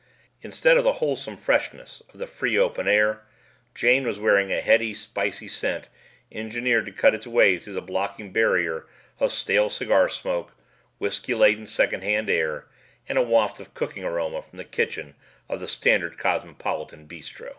Instead of the wholesome freshness of the free, open air, Jane was wearing a heady, spicy scent engineered to cut its way through the blocking barrier of stale cigar smoke, whisky laden secondhand air, and a waft of cooking aroma from the kitchen of the standard cosmopolitan bistro.